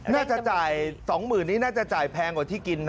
น่าจะจ่าย๒๐๐๐นี้น่าจะจ่ายแพงกว่าที่กินนะ